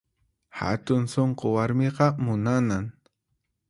Hatun sunqu warmiqa munanan